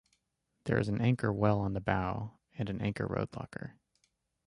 There is an anchor well on the bow and an anchor rode locker.